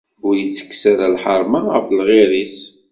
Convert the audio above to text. Ur ittekkes ara lḥerma ɣef lɣir-is.